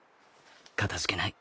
かたじけない。